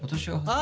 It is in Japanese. あ！